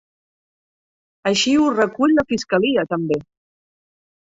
Així ho recull la fiscalia també.